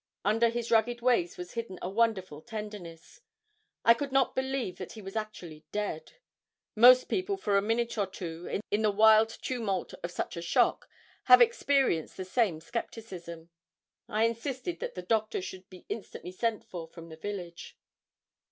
Under his rugged ways was hidden a wonderful tenderness. I could not believe that he was actually dead. Most people for a minute or two, in the wild tumult of such a shock, have experienced the same skepticism. I insisted that the doctor should be instantly sent for from the village.